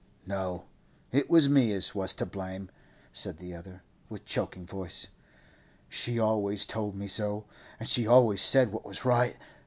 'No, it was me as was to blame,' said the other, with choking voice. 'She always told me so, and she always said what was right.